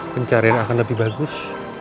pencarian akan lebih bagus